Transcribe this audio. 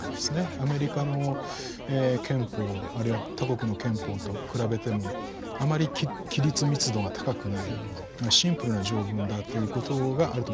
アメリカの憲法あるいは他国の憲法と比べてもあまり規律密度が高くないシンプルな条文だということがあると思います。